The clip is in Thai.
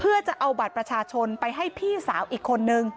เพื่อจะเอาบัตรประชาชนไปให้พี่สาวอีกคนนึง